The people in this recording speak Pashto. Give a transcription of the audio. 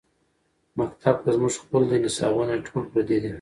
مکتب کۀ زمونږ خپل دے نصابونه ټول پردي دي